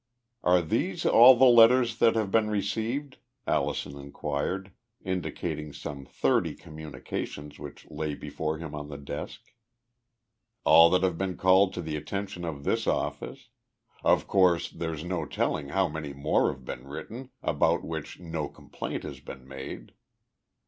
"Are these all the letters that have been received?" Allison inquired, indicating some thirty communications which lay before him on the desk. "All that have been called to the attention of this office. Of course, there's no telling how many more have been written, about which no complaint has been made.